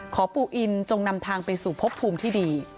ปู่อินจงนำทางไปสู่พบภูมิที่ดี